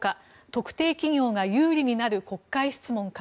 特定企業が有利になる国会質問か。